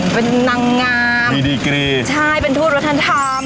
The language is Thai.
เป็นนางงามมีดีกรีตใช่เป็นทูตวัฒนธรรม